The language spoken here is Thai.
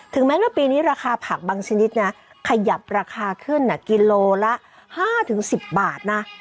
แม้ว่าปีนี้ราคาผักบางชนิดนะขยับราคาขึ้นกิโลละ๕๑๐บาทนะ